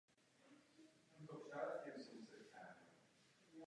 Absolvoval prací "Příspěvek k anatomii žaberní dutiny larvy mihule říční".